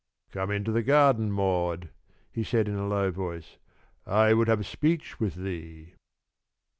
"Come into the garden, Maud," he said in a low tone. "I would have speech with thee."